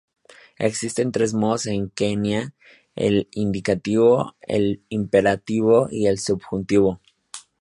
Existen tres modos en quenya, el indicativo, el imperativo y el subjuntivo.